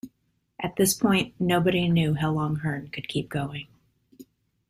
At this point, nobody knew how long Hearne could keep going.